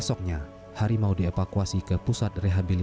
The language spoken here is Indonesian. makin hari ia makin mendekat ke pemukiman